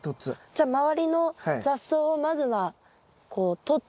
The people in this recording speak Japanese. じゃあ周りの雑草をまずはこう取って。